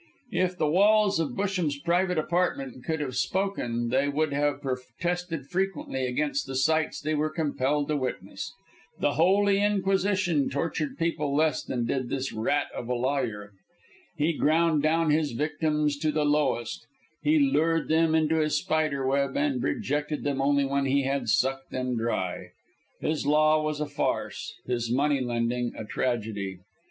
If the walls of Busham's private apartment could have spoken they would have protested frequently against the sights they were compelled to witness. The Holy Inquisition tortured people less than did this rat of a lawyer. He ground down his victims to the lowest, he lured them into his spider web, and rejected them only when he had sucked them dry. His law was a farce, his money lending a tragedy.